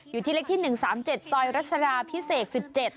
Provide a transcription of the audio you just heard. อยู่ที่เลขที่๑๓๗ซอยรัศดาพิเศษ๑๗